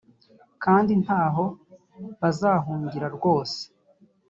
kandi nta ho bazahungira rwose